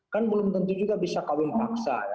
kan belum tentu juga bisa kawin paksa